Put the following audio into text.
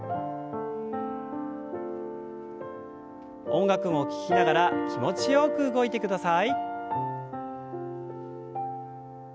音楽を聞きながら気持ちよく動いてください。